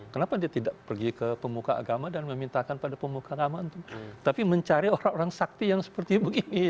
kenapa dia tidak pergi ke pemuka agama dan memintakan pada pemuka agama untuk tapi mencari orang orang sakti yang seperti begini